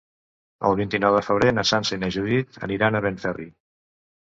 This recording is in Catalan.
El vint-i-nou de febrer na Sança i na Judit aniran a Benferri.